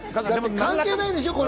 関係ないでしょ、これ。